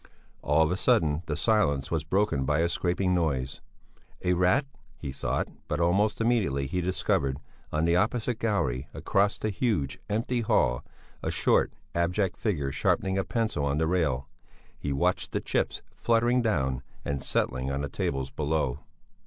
All of a sudden the silence was broken by a scraping noise. A rat! he thought, but almost immediately he discovered, on the opposite gallery, across the huge, empty hall, a short, abject figure sharpening a pencil on the rail. He watched the chips fluttering down and settling on the tables below.